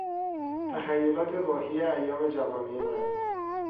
تخیلات واهی ایام جوانی من